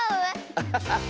アハハハ！